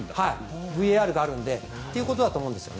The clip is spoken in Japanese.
ＶＡＲがあるのでということだと思います。